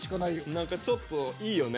何かちょっといいよね。